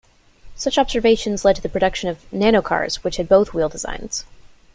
Such observations led to the production of nanocars which had both wheel designs.